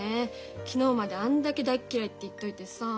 昨日まであんだけ大っ嫌いって言っといてさあ。